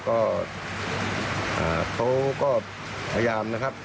ก็เขาก็พยายามนะครับ